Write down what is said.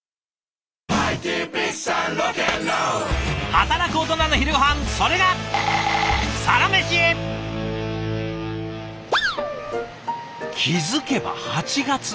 働くオトナの昼ごはんそれが気付けば８月！